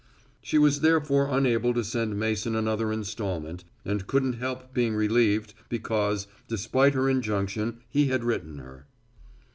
She was therefore unable to send Mason another installment; and couldn't help being relieved because, despite her injunction, he had written her.